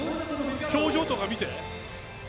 表情とかも見て。